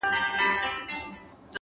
هره شېبه د ځان سمون فرصت دی’